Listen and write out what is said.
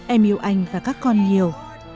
em yêu anh và các con nhiều